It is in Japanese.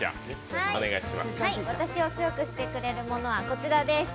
私を強くしてくれるものはこちらです。